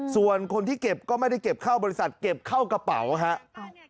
ส่วนคนที่เก็บก็ไม่ได้เก็บเข้าบริษัทเก็บเข้ากระเป๋าครับ